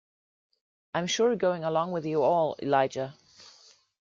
I'm sure going along with you all, Elijah.